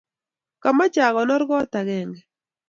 kamoche akonor koot akenge.